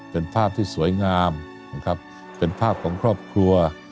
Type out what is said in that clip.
เป็นภาพที่สวยงามนะครับเป็นภาพของครอบครัว